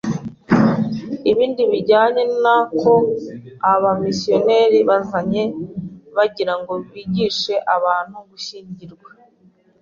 ’ibindi bijyanye nako aba missionaires bazanye bagira ngo bigishe abantu gushyingirwa